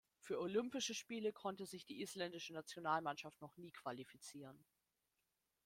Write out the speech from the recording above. Für Olympische Spiele konnte sich die Isländische Nationalmannschaft noch nie qualifizieren.